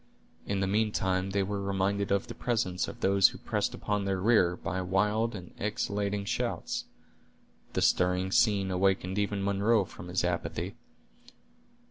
In the meantime they were reminded of the presence of those who pressed upon their rear, by wild and exulting shouts. The stirring scene awakened even Munro from his apathy.